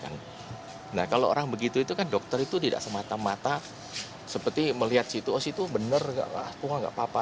nah kalau orang begitu itu kan dokter itu tidak semata mata seperti melihat situ oh situ benar aku nggak apa apa